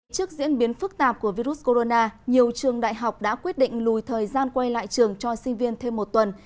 trước diễn biến phức tạp của virus corona nhiều trường đại học đã quyết định lùi thời gian quay lại trường cho sinh viên thêm một tuần